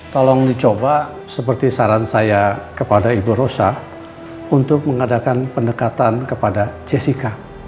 tolong dicoba seperti saran saya kepada ibu rosa untuk mengadakan pendekatan kepada jessica